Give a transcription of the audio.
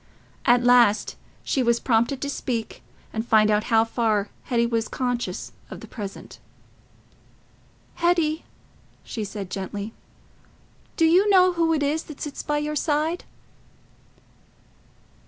At last she was prompted to speak and find out how far Hetty was conscious of the present. "Hetty," she said gently, "do you know who it is that sits by your side?"